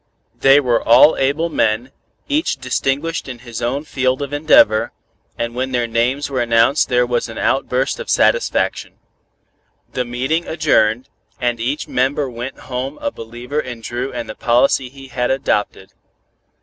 They were all able men, each distinguished in his own field of endeavor, and when their names were announced there was an outburst of satisfaction. The meeting adjourned, and each member went home a believer in Dru and the policy he had adopted.